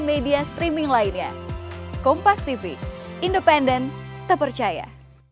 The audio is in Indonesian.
kalau belum biasanya pro dan kontra